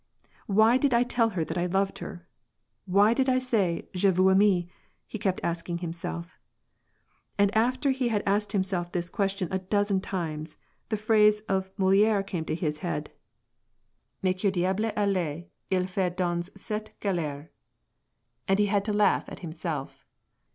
"Why did I tell her that I loved her? why did I say ^je «w« aime ?'" he kept asking himself. And after he had ' asked himself this question a dozen times, the phrase of Moli «re came into his head, " Mais que diahle alia it it faire dans \, (ette galercy*' * and he had to laugh at himself.